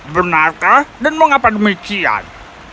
benarkah dan mengapa demikian